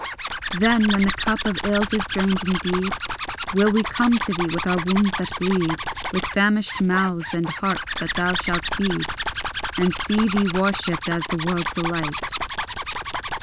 Then, when the cup of ills is drained indeed, Will we come to thee with our wounds that bleed, With famished mouths and hearts that thou shalt feed, And see thee worshipped as the world's delight.